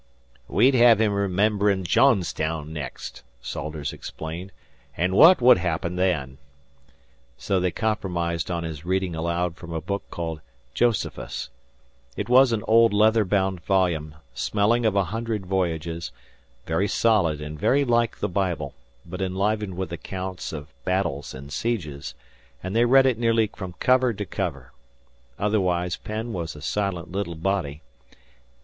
"We'd hev him rememberin' Johns town next," Salters explained, "an' what would happen then?" so they compromised on his reading aloud from a book called "Josephus." It was an old leather bound volume, smelling of a hundred voyages, very solid and very like the Bible, but enlivened with accounts of battles and sieges; and they read it nearly from cover to cover. Otherwise Penn was a silent little body.